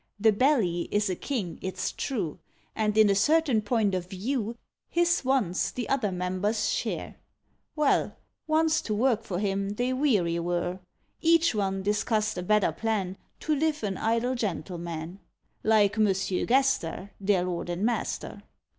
The Belly is a king, it's true, And in a certain point of view His wants the other members share. Well, once to work for him they weary were; Each one discussed a better plan, To live an idle gentleman, Like Monsieur Gaster, Their lord and master.